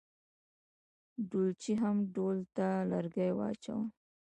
ډولچي هم ډول ته لرګي واچول.